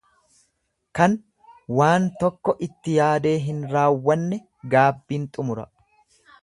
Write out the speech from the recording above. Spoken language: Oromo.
Kan waan tokko itti yaadee hin raawwanne gaabbiin xumura.